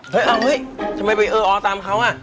ไปไปได้แล้ว